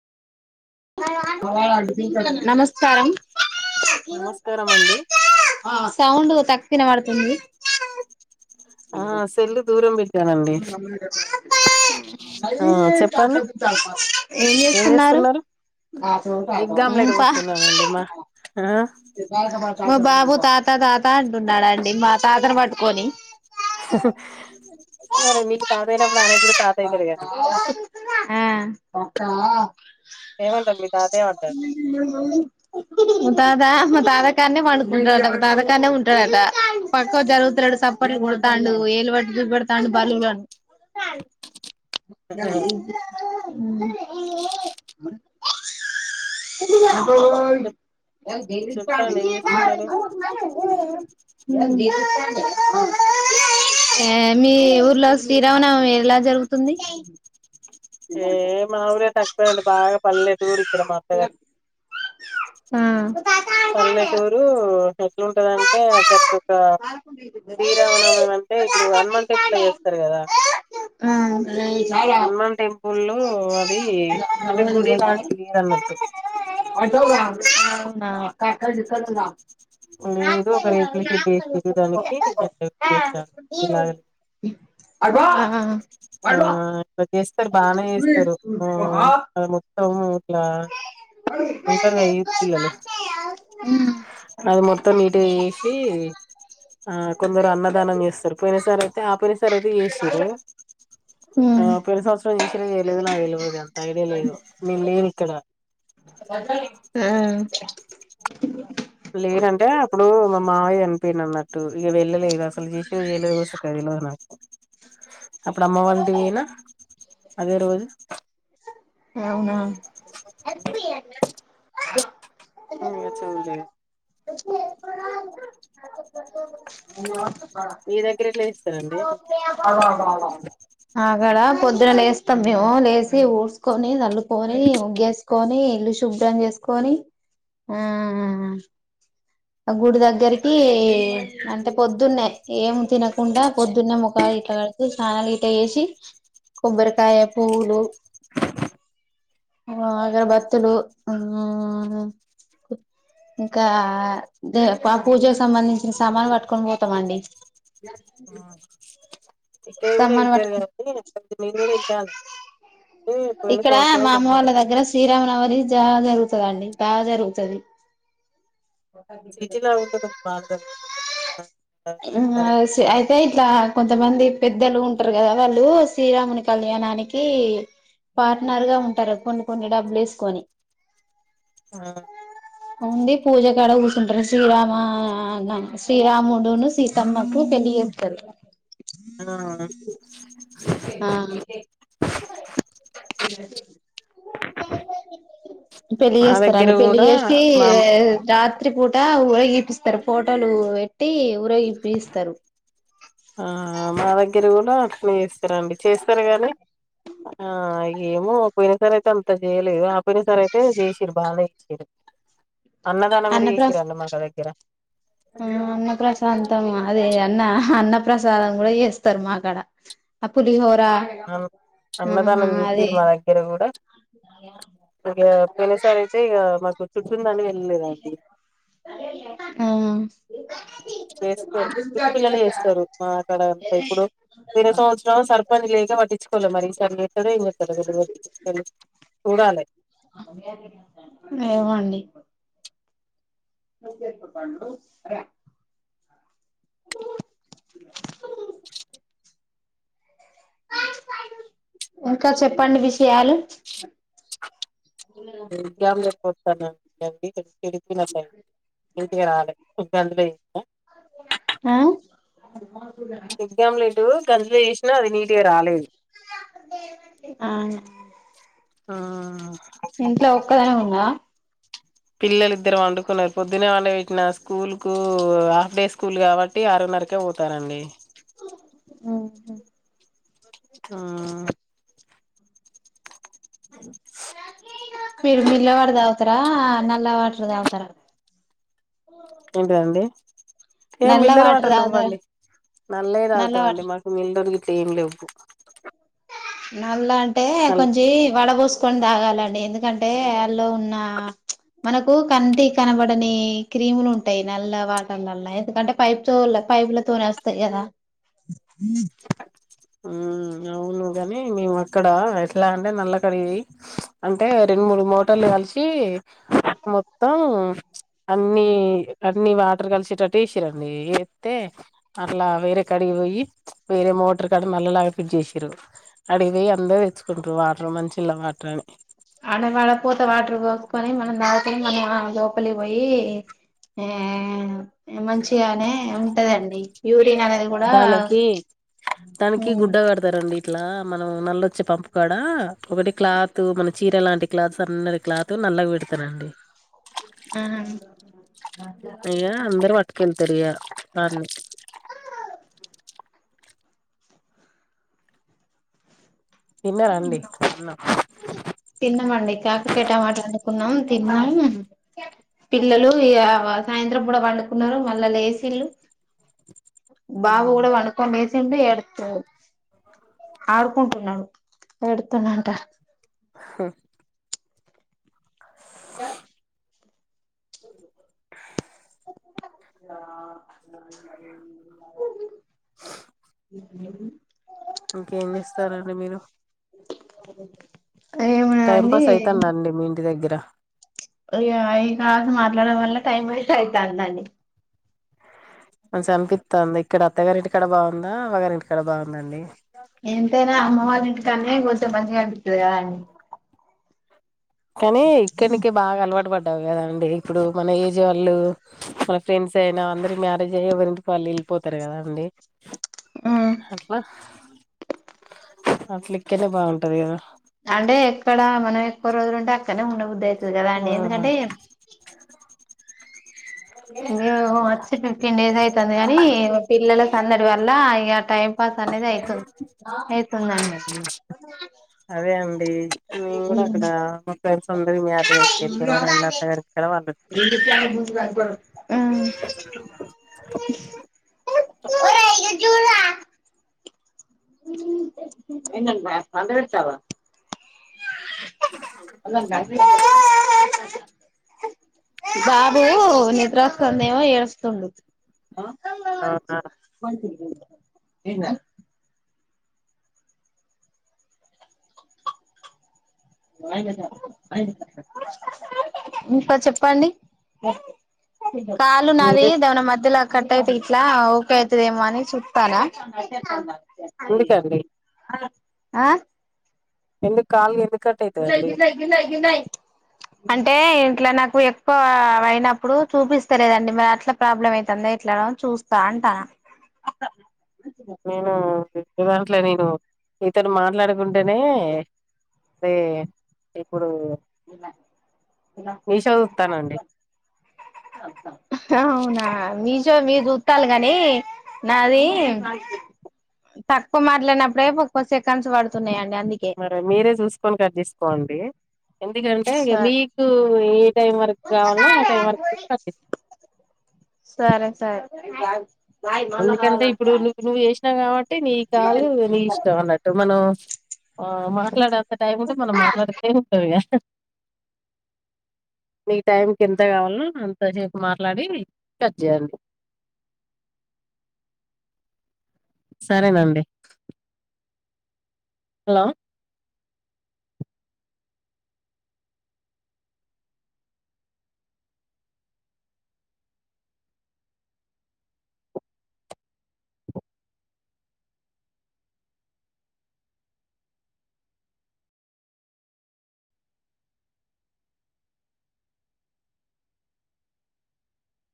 ఆ నమస్కారం నమస్కారం అండి సౌండ్ వత్ తక్సినవడుతుంది ఆ సెల్లు దూరం బెట్ శివుని అమ్మునిదగ్గర ఆ మళ్ళి ఏం చేసి చెప్పండి ఉంచాలమ్మ ఏం చేస్తున్నారు బాత్రూమ్ పాపం ఎగ్ ఉమ్ ఆమ్లెట్ పా పోస్తున్నానండి మా ఆ ఇది పలక పట్ మా బాబు తాత తాత అంటున్నాడండి మా తాతను పట్టుకొని మరి మీకు తాత అయినప్పుడు అయినకు కూడా తాత అయితాడు గదా పక్క మీ తాతయ్య ఏమంటారు మా తాత్ ఆ మా తాతకాన్నే పండుకుంటడటా మా తాతకాన్నే ఉంటడట పక్కక్ జరుగుతలేడు సప్పట్లు కొడతాండు ఏలువట్టి చూపేడుతాండు బల్లులను చె అ చెప్పండి ఏం చేస్తున్నారు మీ ఊర్లో శ్రీరావణం ఎలా జరుగుతుంది ఏ మా ఊరే తక్కుపోనండి బాగా పల్లెటూరు ఇక్కడ మా అత్తగారు ఆ పల్లెటూరు ఎట్లుంటందింటే అసకి ఒక శ్రీరామనవమి అంటే ఇప్పుడు హనుమంటింపు త చేస్తారు కదా ఆ హనుమంటిం లో అది అంటే గుడి లాంటి తీ అన్నట్టు క్కక్కడ దికనా ఏదో ఒక రేకుల షెడ్ వేసిది దానికి చేసారు ఇలాగ ఆ చేస్తారు బానే చేస్తారు హ అట్లా ఉంటారుూత్ పిల్లలు కొ మొరత్తం నీట్గా వేసి ఆ కొందరు అన్నదానం చేస్తారు పోయిన సార్ అయితే ఆపోయిన సార్ అయితే వసారు ఆ పెన్ని సంవత్సరం చేసర చేయ లేదుో నాకు వెళపోదు ఎంత ఐడియా లేదు నేను లేను ఇక్కడ ఆ లేనంటే అప్పుడు మా మావయ్యన్ పోయినన్నట్టు ఇక వెళ్ళలేదు అసలు చేసే [unintelligible] తెల్వదు నాకు అప్పుడు అమ్మ వంటి గైనా అదే రోజు అవునా [unintelligible] చూలే మీ దగ్గర ఎట్లా చేస్తారండి ఆగాడ పొద్దునా లేస్తం లే ఊడ్సుకొని నలు పోని వుగెస్ కొని ఇల్లు శుభ్రం చేసుకొని ఆ ఆ గుడి దగ్గరికి అంటే పొద్దున్నే ఏం తినకుండా పొద్దున్నే ముఖాలు గట కడుత స్నలు గట వేసి కొబ్బరికాయ పూవులు అగర బత్తులు ఇంకా దే పూజకు సంబంధించిన సామానులు పట్టుకొని పోతామండి చక్కెడ కూడ సామాను వెళ్తారు పట్టుకు కాద మీరు కూడా వెళ్ళాలి ఇక్కడ మా అమ్మ వాళ్ళ దగ్గర శ్రీరామనవ చా జరుగుతుందండి బాగా జరుగుతది సిటీలో ఉంటే కొంచెం బాధ కలుగుతుంది మళ్ళీ బా అయితే ఇకా కొంతమంది పెద్దలు ఉంటారు కదా వాళ్ళు శ్రీరాముని కళ్యాణానికి పార్ట్నర్ గా ఉంటారు కొన్ని కొన్ని డబ్బులు వేసుకొని ఆ ఉంది పూజకాడ కూర్చుంటారు శ్రీరామ శ్రీరాముడును సీతమ్మకు పెళ్లి చేేస్తారు ఆ తే పెళ్లి మా దగ్గర చేస్తారాండి పెళ్లి కూడా చేసి మా రాత్రి పూట ఊరగి ఇపిస్తారు ఫోటోలు పెట్టి ఊరగిపిస్తారు ఆ మా దగ్గర కూడా అట్నే డి చేస్తారు గాని ఆ ఏమో పోయిన సర అయితే అంత చేయలేదు ఆపోయిన సారి అయితే చేసారు బాగానే ఇచ్చడు అన్నదానం కూడ వేసిరళ మగ దగ్గర ఆ అన్న ప్రసాంతం అదే అన్న అన్న ప్రసాదం కూడా చేస్తారు మా అక్కడ ఆ పులిహోర ఆ అన్నదానం అదే చేసిరు మా దగ్గర కూడ ఇక పోయిన సారి అయితే ఇక మాకు చుట్ [unintelligible] వెళ్ళలేదండి ఆ చేస్తారు గుది పిల్లలు చేస్తారు మా అక్కడంత ఇప్పుడు విర సంవత్సరం సర్పాన్ని లేక పట్టించుకోవాలి మరి సర్లే సరేం సరే [unintelligible] చూడాలి ఏమొండి పా ఇంకా చెప్పండి విషయాలు క లే సండి ఎడికలుస్తాయి ఇంటికి రాలే ఇబ్బందులు అ ప్చ్ ఎగ్గమ్లేలీటు కర్ర యేష్నా అది నీట్గా రాలేదు అవునవును ఆ ఇంట్లో ఒక్కదనే ఉనవా ద్దున లేపిన స్కూల్ కు హాఫ్ డే స్కూల్ కావట్టి ఆరున్నరకే ఒతారండి ఉహు ఆ అ త్ర నల వాటర్ దావుతర ఏంటదండి ఏ నల్ల మిల్లర్ వాటర్ వాటలు తాగుతారా లెవ్వండి నల్లయే నల్ల వాటర్ తాగుతమండి మాకు మిడ్రర్ వి ఏం లెవ్వు నల్ల అం టే కొంచి వడ ఒసుకొని తాగాలండి ఎందుకంటే లో ఉన్నా ప్చ్ మనకు కంటి కనబడని క్రీములు ఉంటాయి నల్ల వాటర్లల్ల ఎందుకంటే పైప్తో పైపుల తోనే అస్తయి కదా ఉ [unintelligible] ఊ అవును కని మేము అక్కడ ఎట్లా అంటే నల్ల కడి అంటే రెండు మూడు మోటర్లు కలిషి మో ఒ అన్ని అన్ని వాటర్ కలిసేటటు ఏషిరండి ఎత్తే అట్లా వేరే కాడిగకి ఓయ్యి వేరే మోటర్ కాడ నళ్లలాగా ఫిట్ జేషిరు అడికి ఒయి అందరూ తెచ్చుకుట్రు వాటర్ మంచిళ్ళ వాటర్ అని ఆడవాడపోత వాటర్ ఓసుకొని మనం దాకని మనం లోపలి ఒయి ఏ ఏ మంచిగనే ఉంటదండి యూ దాలోకి దానికి గుడ్డ కడతారండి అట్లా మనం నల్లొచ్చి పంపు కడా ఒకటి క్లాత్ మన చీర లాంటి క్లాత్ సన్నని క్లాత్ నల్లకి వెడతరండి ఆ ఇగ అందరు వట్టుకెళ్తరిగా తర్ని తిన్నారా అండి తిన్నామండి కాకరాకయ టమాట అండుకున్నాం తిన్నాం పిల్లలు ఇగ సాయంత్రం పూట వండుకున్నారు మళ్ళ లేసిల్లు బాబు గూడ వండుకొని లేస్ తిండు ఎడుతుండు ఆడుకుంటున్నడు ఏడుతుండంట హ ఇంకా [unintelligible] [inaudible] [unintelligible] అ మరి [unintelligible] [unintelligible] [unintelligible] ఇంకేం చేస్తారండి మీరు స [unintelligible] టైం పాస్ అయితందండి మీ ఇంటి దగ్గర అయ్య ఇ కాల్స్ మాట్లాడం వల్ల టైమ్ వేస్ట్ అయితందండి అనిపిస్తుందా ఇక్కడ అత్తగారి ఇంటికాడ బాగుందా ఆగారి ఇంటికాడ బాగుందండి ఎంతైనా అమ్మవారి ఇంటి కన్నే కోచం మంచిగా అనిపిస్తుంది కదా అడి కానీ ఇక్కడినికి బాగా అలవాటు పడ్డావు కదండి ఇప్పుడు మన ఏజ్ వాళ్ళు మన ఫ్రెండ్స్ అయినా అందరు మ్యారేజ్ అయ్య ఎవరి వాళ్ళు వెళ్ళిపోతారు కదా అండి ఎట్లా అట్ల ఇక్కేనే బాగుంటాది కదా అంటే ఎక్కడ మనం ఎక్కువ రోజులు ఉంటే అక్కడనే ద [unintelligible] అదే కదా ఆ ఎందుకంటే ో [unintelligible] ఫిఫ్టీన్ డేస్ ఆయితింది కాని పిల్లల సందడి వల్ల టైం పాస్ అనేది అయ్యితుంది అయితుందండి మేము కూడా అక్కడ మా ఫ్రెండ్స్ అందరు మ్యారేజ్ ఐపోయింది ఎవరన్న ఒకరిదరం వండుకుంటం ఏజూలా ఎందల్ [unintelligible] పండ పెడతావా అలాన్ బాబు నిద్రస్తందేమో ఏడుస్తుండు ఆహా ఏనా ఇంకా చెప్పండి కాలు నాది మీరే దవన మధ్యల కటయితే ఇట్లా ఓకే అయితదేమో అని చుతనా అయ్యో ఎందుకండి ఆ ఎందుకు కాలిగా ఎందుకు కట్ గిలాయి అయితదండి గిలాయి గిలాయి గిలాయి. అంటే ఇట్లా నాకు ఎక్కువ అయినప్పుడు చూపిస్తలేదండి మరి అట్ల ప్రాబ్లం అయితంది ఇట్లా చూస్తా అంటా. నేనా నీ దాంట్లో నేను నీతోటి మాట్లాడుకుంటేనే దే ఇప్పుడు. మీషో చూస్తానండి అవునా మీ మీరు చుట్టాలే కాని నాది తక్కువ మాట్లాడినప్పుడే ముప్పై సెకండ్స్ పడుతున్నాయండి. అందుకే మరి మీరే చూసుకొని కట్ చేసుకోండి. ఎందుకంటే సరే మీకు ఏ టైం వరకు కావాలో ఆ టైం వరకు చూసి కట్టిస్తాం. నువ్వు తాగు. ఎందుకంటే ఇప్పుడు నువ్వు నువ్వు చేసినావు కాబట్టి నీ కాలు నీ ఇష్టం అన్నట్టు మనం. ఆహ్ మాట్లాడేంత టైం ఉంటే మనం మాట్లాడుతూనే ఉంటాం ఇంకా. మీ టైంకి ఎంత కావాలో అంతసేపు మాట్లాడి కట్ చేయండి. సరేనండి. హలో